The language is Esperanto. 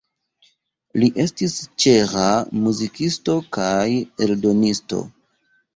Li estis ĉeĥa muzikisto kaj eldonisto.